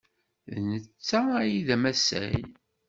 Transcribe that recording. D netta ay d amasay.